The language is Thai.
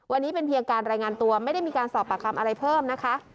วันนี้เป็นเพียงการรายงานตัวไม่ได้มีการสอบปากคำอะไรเพิ่มนะคะ